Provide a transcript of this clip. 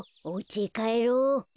おうちへかえろう。